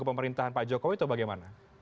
pemerintahan pak jokowi atau bagaimana